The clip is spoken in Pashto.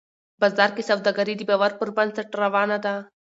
بازار کې سوداګري د باور پر بنسټ روانه وي